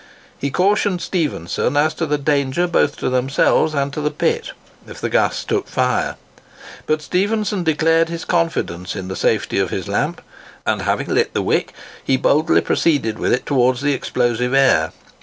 He cautioned Stephenson as to the danger both to themselves and to the pit, if the gas took fire. But Stephenson declared his confidence in the safety of his lamp, and, having lit the wick, he boldly proceeded with it towards the explosive air.